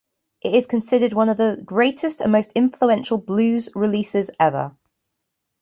It is considered one of the greatest and most influential blues releases ever.